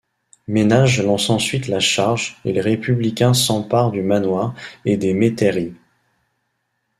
Ménage lance ensuite la charge et les républicains s'emparent du manoir et des métairies.